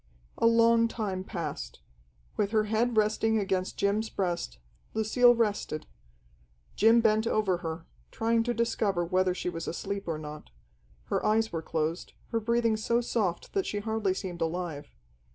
A long time passed. With her head resting against Jim's breast, Lucille rested. Jim bent over her, trying to discover whether she was asleep or not. Her eyes were closed, her breathing so soft that she hardly seemed alive.